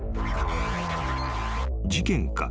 ［事件か？